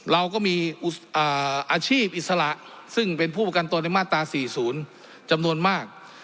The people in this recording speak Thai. เราก็มีอาชีพอิสระซึ่งเป็นผู้ประกันตัวในมาตรา๔๐จำนวนมาก